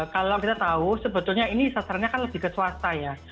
kalau kita tahu sebetulnya ini sasarannya kan lebih ke swasta ya